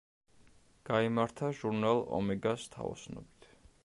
გაიმართა ჟურნალ „ომეგას“ თაოსნობით.